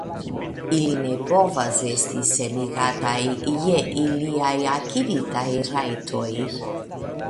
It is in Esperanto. Ili ne povas esti senigataj je iliaj akiritaj rajtoj.